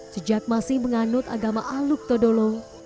sejak masih menganut agama aluk todolo